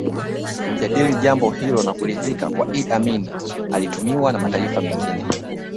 Kujadili jambo hilo na kuridhika kuwa Idi Amin alitumiwa na mataifa mengine